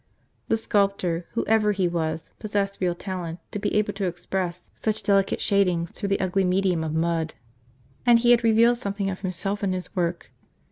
The sculptor, whoever he was, possessed real talent to be able to express such delicate shadings through the ugly medium of mud. And he had revealed something of himself in his work.